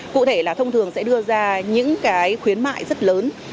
cụ thể là thông thường sẽ đưa ra những cái khuyến mại rất lớn